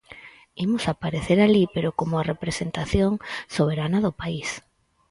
Imos aparecer alí pero como a representación soberana do país.